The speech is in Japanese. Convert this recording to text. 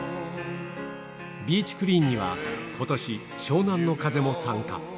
ビーチクリーンには、ことし、湘南乃風も参加。